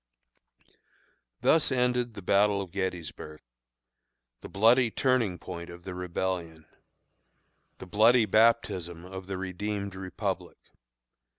Thus ended the battle of Gettysburg the bloody turning point of the Rebellion the bloody baptism of the redeemed Republic.